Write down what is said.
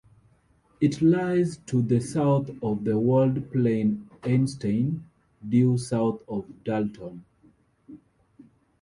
It lies to the south of the walled plain Einstein, due south of Dalton.